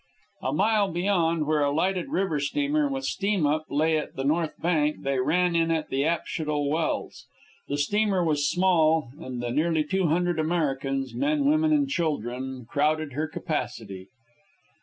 A mile beyond, where a lighted river steamer with steam up lay at the north bank, they ran in at the Apshodel wells. The steamer was small, and the nearly two hundred Americans men, women, and children crowded her capacity.